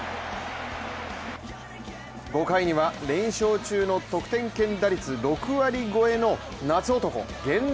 ５回には連勝中の得点圏打率６割超えの夏男・源田。